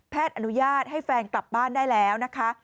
อนุญาตให้แฟนกลับบ้านได้แล้วนะคะ